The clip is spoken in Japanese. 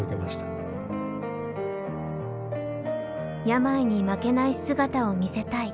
病に負けない姿を見せたい。